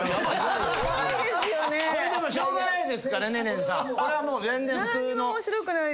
しょうがないですから寧々さん。